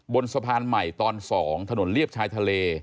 บนสะพานใหม่ตอน๒ถนนเลียบชายทะเล